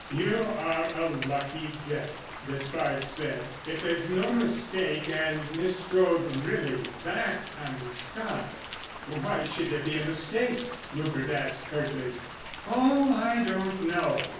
"You are a lucky devil," Despard said, "if there's no mistake, and Miss Strode really backed Ambuscade." "Why should there be a mistake?" Rupert asked curtly. "Oh, I don't know!"